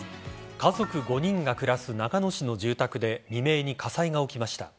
家族５人が暮らす長野市の住宅で未明に火災が起きました。